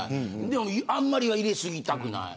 でも、あんまりは入れ過ぎたくない。